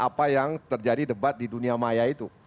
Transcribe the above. apa yang terjadi debat di dunia maya itu